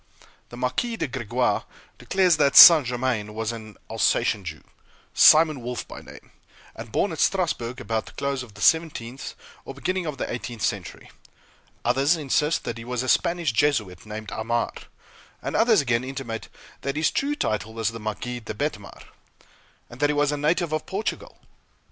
The Marquis de Crequy declares that St. Germain was an Alsatian Jew, Simon Wolff by name, and born at Strasburg about the close of the seventeenth or the beginning of the eighteenth century; others insist that he was a Spanish Jesuit named Aymar; and others again intimate that his true title was the Marquis de Betmar, and that he was a native of Portugal.